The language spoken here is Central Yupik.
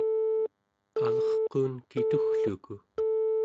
alerquun kituggluku